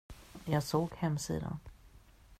Jag såg hemsidan.